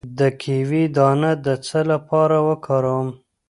د کیوي دانه د څه لپاره وکاروم؟